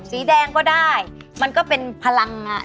สีแดงก็ได้มันก็เป็นพลังอ่ะนิดหนึ่ง